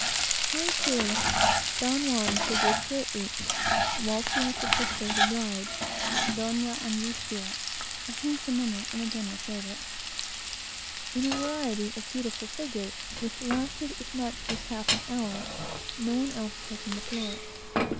Here, too, Don Juan figured greatly, waltzing with the sister of the bride, (Donna Angustia, a handsome woman and a general favorite,) in a variety of beautiful, but, to me, offensive figures, which lasted as much as half an hour, no one else taking the floor.